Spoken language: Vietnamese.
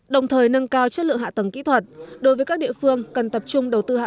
đồng thời nâng cao chất lượng hạ tầng kỹ thuật đối với các địa phương cần tập trung đầu tư hạ